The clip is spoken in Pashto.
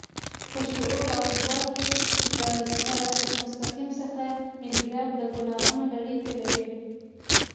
په شعور او ځواک کې له صراط المستقيم څخه انحراف د ګناهونو لړۍ پيلوي.